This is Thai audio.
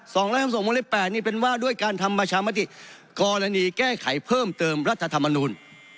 ๒๕ส่งวงเล็บแปดนี่เป็นว่าด้วยการทำประชามติกรณีแก้ไขเพิ่มเติมรัฐธรรมนูล